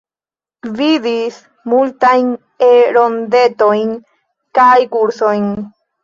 Gvidis multajn E-rondetojn kaj kursojn.